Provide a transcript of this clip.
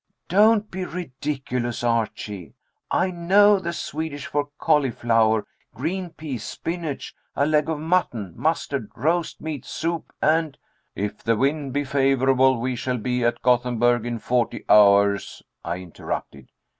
"Don't be ridiculous, Archie. I know the Swedish for cauliflower, green peas, spinach, a leg of mutton, mustard, roast meat, soup, and " "'If the wind be favorable, we shall be at Gothenburg in forty hours,'" I interrupted.